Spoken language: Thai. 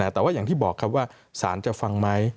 แต่ว่าอย่างที่บอกครับว่าสารจะฟังไหม